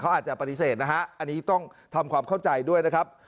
เขาอาจจะปฏิเสธนะฮะอันนี้ต้องทำความเข้าใจด้วยนะครับ